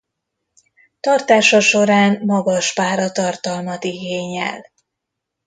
Tartása során magas páratartalmat igényel.